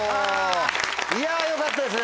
いやぁよかったですね